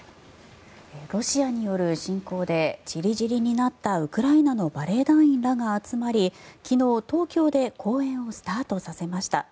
ロシアによる侵攻で散り散りになったウクライナのバレエ団員らが集まり昨日、東京で公演をスタートさせました。